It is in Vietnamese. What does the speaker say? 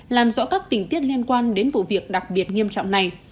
làm rõ các tình tiết liên quan đến vụ việc đặc biệt nghiêm trọng này